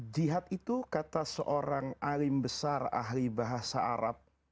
jihad itu kata seorang alim besar ahli bahasa arab